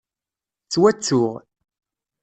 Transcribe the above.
Ttwattuɣ.